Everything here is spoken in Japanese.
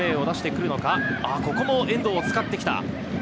ここも遠藤を使ってきた。